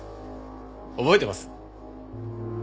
覚えてます？